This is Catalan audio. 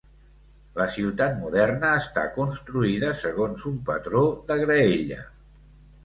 La ciutat moderna està construïda segons un patró de graella.